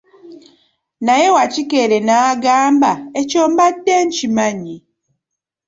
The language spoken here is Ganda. Naye Wakikere n'agamba, ekyo mbadde nkimanyi.